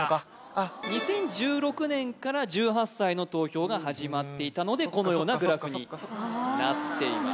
２０１６年から１８歳の投票が始まっていたのでこのようなグラフになっていました